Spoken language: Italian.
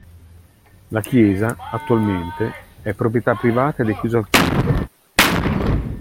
La chiesa, attualmente, è proprietà privata ed è chiusa al culto.